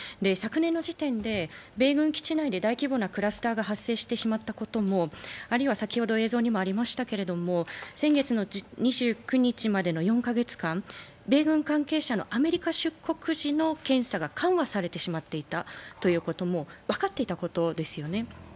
昨年の時点で米軍基地内で大規模なクラスターが発生してしまったこともあるいは先月２９日までの４カ月間、米軍関係者のアメリカ出国時の検査が緩和されてしまっていたということも分かっていたことですよね。